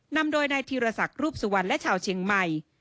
นำโดยนายธีรศักดิ์รูปสุวรรณและชาวเชียงใหม่